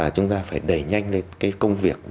chúng ta phải đẩy nhanh lên công việc